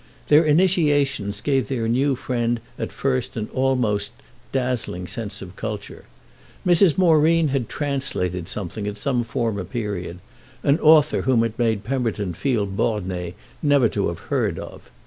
Their initiations gave their new inmate at first an almost dazzling sense of culture. Mrs. Moreen had translated something at some former period—an author whom it made Pemberton feel borné never to have heard of.